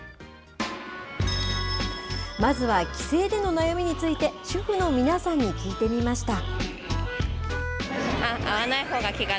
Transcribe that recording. まずは帰省での悩みについて、主婦の皆さんに聞いてみました。